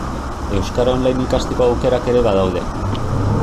Euskara online ikasteko aukerak ere badaude.